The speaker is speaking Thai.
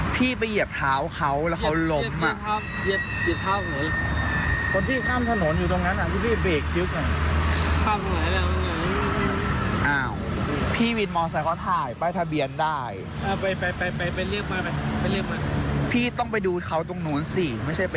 พี่ไปเหยียบเท้าเขาแล้วเขาล้ม